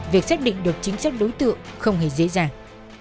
việc xác định được chính xác đối tượng không hề dễ dàng